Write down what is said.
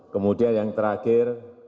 kemudian yang terakhir